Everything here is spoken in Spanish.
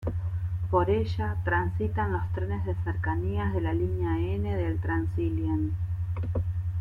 Por ella transitan los trenes de cercanías de la línea N del Transilien.